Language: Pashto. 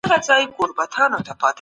چا دا کتاب ليکلی دی؟